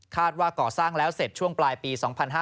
ว่าก่อสร้างแล้วเสร็จช่วงปลายปี๒๕๕๙